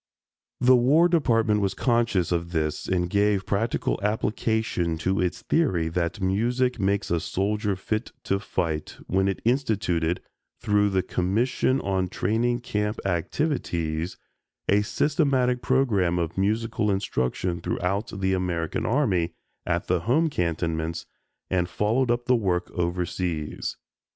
The War Department was conscious of this and gave practical application to its theory that music makes a soldier "fit to fight" when it instituted, through the Commission on Training Camp Activities, a systematic program of musical instruction throughout the American Army at the home cantonments and followed up the work overseas.